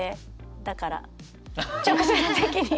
だから直接的に。